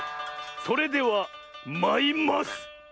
それではまいます！